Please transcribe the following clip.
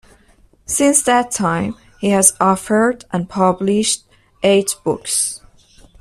Since that time, he has authored and published eight books.